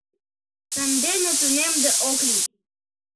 Сандене тунемде ок лий...